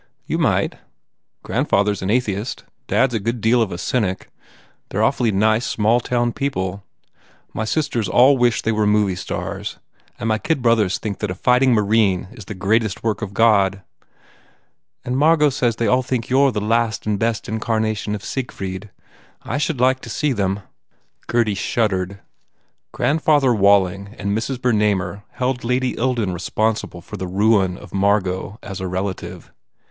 "You might. Grandfather s an atheist. Dad s a good deal of a cynic. They re awfully nice small town people. My sisters all wish they were movie stars and my kid brothers think that a fighting marine is the greatest work of God." "And Margot says they all think you re the last and best incarnation of Siegfried. I should like to see them." Gurdy shuddered. Grandfather Walling and Mrs. Bernamer held Lady Ilden responsible for the ruin of Margot as a relative.